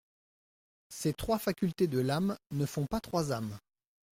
Ces trois facultés de l'âme ne font pas trois âmes.